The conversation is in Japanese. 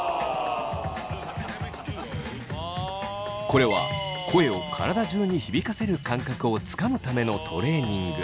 これは声を体中に響かせる感覚をつかむためのトレー二ング。